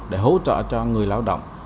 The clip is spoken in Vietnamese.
để hỗ trợ cho người lao động